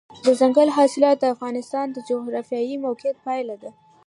دځنګل حاصلات د افغانستان د جغرافیایي موقیعت پایله ده.